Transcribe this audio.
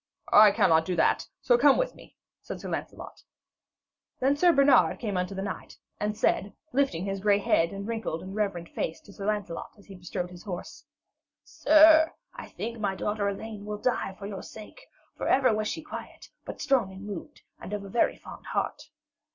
'I cannot do that, so come with me,' said Sir Lancelot. Then came Sir Bernard unto the knight and said, lifting his grey head and wrinkled and reverend face to Sir Lancelot as he bestrode his horse: 'Sir, I think my daughter Elaine will die for your sake. For ever was she quiet, but strong in mood and of a very fond heart.'